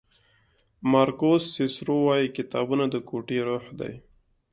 مارکوس سیسرو وایي کتابونه د کوټې روح دی.